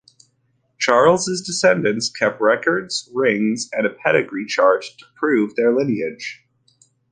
Charles' descendants kept records, rings and a pedigree chart to prove their lineage.